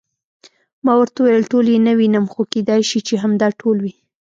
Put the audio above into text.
ما ورته وویل: ټول یې نه وینم، خو کېدای شي چې همدا ټول وي.